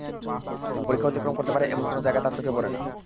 পরিখা অতিক্রম করতে পারে এমন কোন জায়গা তার চোখে পড়ে না।